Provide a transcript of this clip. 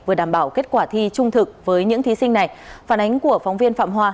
vừa đảm bảo kết quả thi trung thực với những thí sinh này phản ánh của phóng viên phạm hoa